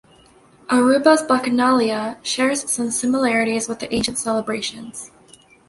Aruba's Bacchanalia shares some similarities with the ancient celebrations.